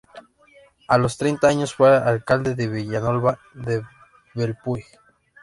A los treinta años fue alcalde de Vilanova de Bellpuig.